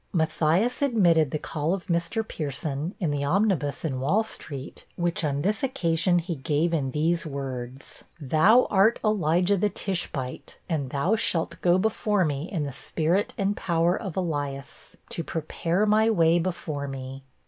Matthias admitted the call of Mr. Pierson, in the omnibus in Wall street, which, on this occasion, he gave in these words: 'Thou art Elijah the Tishbite, and thou shalt go before me in the spirit and power of Elias, to prepare my way before me.'